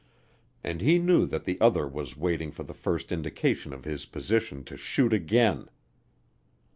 And he knew that the other was waiting for the first indication of his position to shoot again.